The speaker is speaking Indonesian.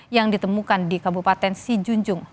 yang ditemukan di kabupaten si junjung